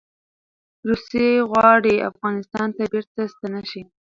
روسې غواړي افغانستان ته بیرته ستنې شي.